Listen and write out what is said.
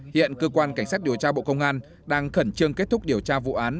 hiện cơ quan cảnh sát điều tra bộ công an đang khẩn trương kết thúc điều tra vụ án